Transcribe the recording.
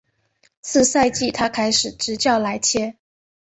次赛季他开始执教莱切。